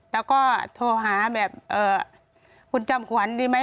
แล้วก็โทรหาแบบคุณจอมขวัญดีไหม